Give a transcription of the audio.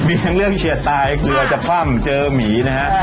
มีเรื่องเชียดตายเกลือจะพร่ำเจอหมีนะฮะ